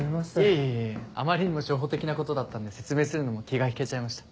いえいえあまりにも初歩的なことだったんで説明するのも気が引けちゃいました。